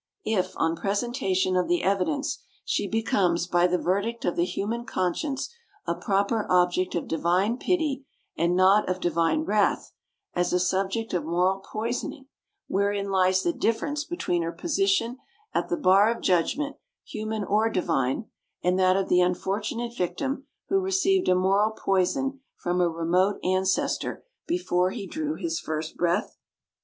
If, on presentation of the evidence, she becomes by the verdict of the human conscience a proper object of divine pity and not of divine wrath, as a subject of moral poisoning, wherein lies the difference between her position at the bar of judgment, human or divine, and that of the unfortunate victim who received a moral poison from a remote ancestor before he drew his first breath?